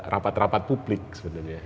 rapat rapat publik sebenarnya